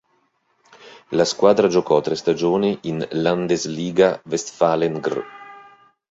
La squadra giocò tre stagioni in "Landesliga Westfalen Gr.